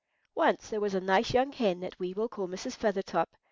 ONCE there was a nice young hen that we will call Mrs. Feathertop.